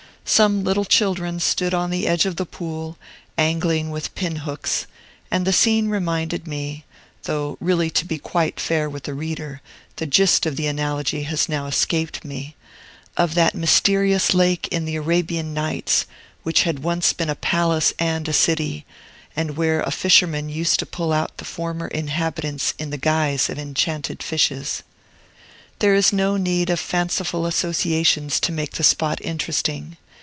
Some little children stood on the edge of the Pool, angling with pin hooks; and the scene reminded me (though really to be quite fair with the reader, the gist of the analogy has now escaped me) of that mysterious lake in the Arabian Nights, which had once been a palace and a city, and where a fisherman used to pull out the former inhabitants in the guise of enchanted fishes. There is no need of fanciful associations to make the spot interesting.